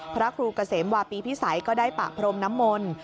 พระครูเกษมวาปีพิสัยก็ได้ปะพรมน้ำมนต์